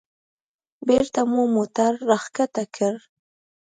بېرته مو موټر راښکته کړ.